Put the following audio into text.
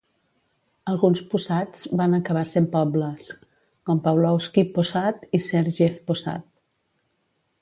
Alguns possads van acabar sent pobles, com Pavlovsky Possad i Sergiev Possad.